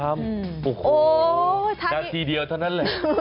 โอ้โหนาทีเดียวเท่านั้นแหละ